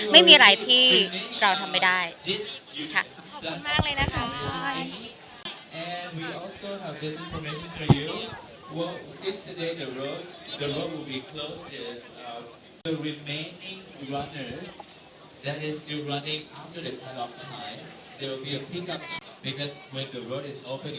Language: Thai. ไม่มีอะไรที่เราทำไม่ได้ค่ะขอบคุณมากเลยนะครับบ๊ายบาย